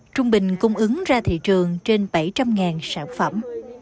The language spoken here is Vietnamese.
trung bình cung ứng ra thị trường trên bảy trăm linh sản phẩm